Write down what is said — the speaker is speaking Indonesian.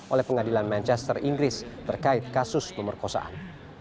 oleh pengadilan manchester inggris terkait kasus pemerkosaan